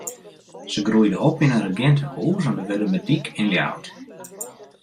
Se groeide op yn in regintehûs oan de Wurdumerdyk yn Ljouwert.